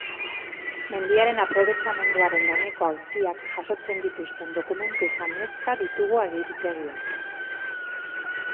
Mendiaren aprobetxamenduaren gaineko auziak jasotzen dituzten dokumentuz gainezka ditugu agiritegiak.